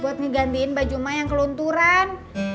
buat ngegantiin baju ma yang kelunturan